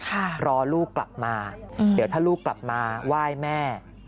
รอลูกกลับมาเดี๋ยวถ้าลูกกลับมาไหว้แม่